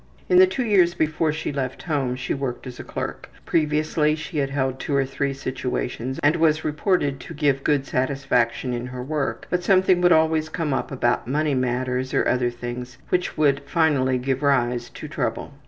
In the two years before she left home she worked as a clerk. Previously she had held two or three situations and was reported to give good satisfaction in her work, but something would always come up about money matters, or other things, which would finally give rise to trouble.